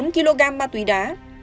bốn kg ma túy đá